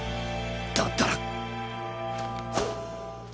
だったら